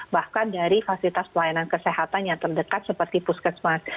bahkan dari fasilitas pelayanan kesehatan yang terdekat seperti puskesmas